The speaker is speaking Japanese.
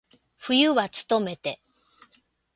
冬はつとめて。